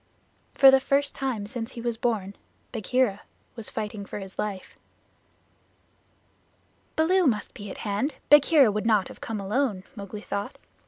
For the first time since he was born, Bagheera was fighting for his life. "Baloo must be at hand; Bagheera would not have come alone," Mowgli thought.